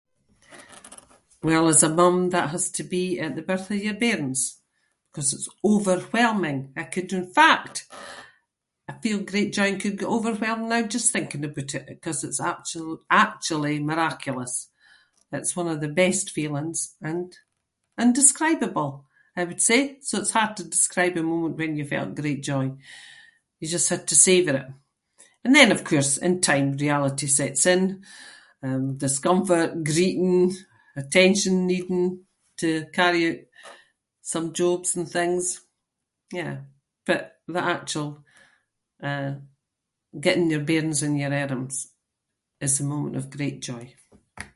Well as a mum that has to be at the birth of your bairns ‘cause it’s overwhelming. I could- in fact, I feel great joy and could get overwhelmed now just thinking aboot it ‘cause it’s actual- actually miraculous. It’s one of the best feelings and indescribable, I would say, so it’s hard to describe a moment when you felt great joy. You just have to savour it. And then of course in time reality sets in- um, discomfort, greeting, attention- needing to carry oot some jobs and things. Yeah, but the actual, uh, getting your bairns in your arms is a moment of great joy.